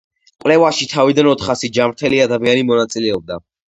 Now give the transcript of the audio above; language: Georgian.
კვლევაში თავიდან ოთხასი ჯანმრთელი ადამიანი მონაწილეობდა.